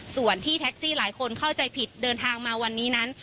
ส่วนที่แท็กซี่หลายคนเข้าใจผิดเดินทางมาวันนี้นั้น